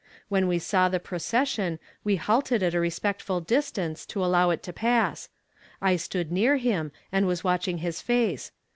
When we saw the procession we halted at a respectful distance, to allow it to pass. I stood near him, and was watching his face.